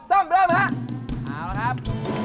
เอาละครับ